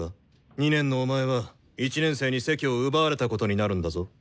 ２年のお前は１年生に席を奪われたことになるんだぞ。